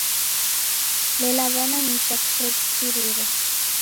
Lela w'ana nicha, kusew'itirire.